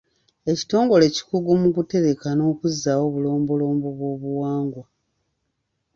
Ekitongole kikugu mu kutereka n'okuzzaawo obulombolombo bw'obuwangwa.